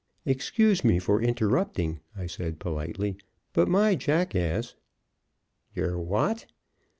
"Excuse me for interrupting," I said politely; "but my jackass " "Yer what?"